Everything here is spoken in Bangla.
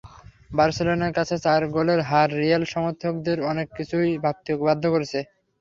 বার্সেলোনার কাছে চার গোলের হার রিয়াল সমর্থকদের অনেক কিছুই ভাবতে বাধ্য করছে।